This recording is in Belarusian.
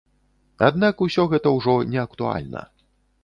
Аднак усё гэта ўжо не актуальна.